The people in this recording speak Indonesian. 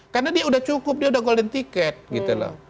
karena dia udah cukup dia udah golden ticket gitu loh